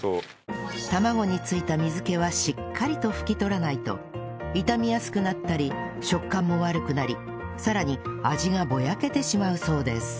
卵に付いた水気はしっかりと拭き取らないと傷みやすくなったり食感も悪くなりさらに味がぼやけてしまうそうです